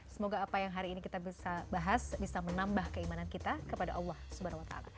semoga apa yang hari ini kita bisa bahas bisa menambah keimanan kita kepada allah swt